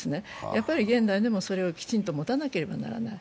やっぱり現代にもそれをきちんと持たなければならない。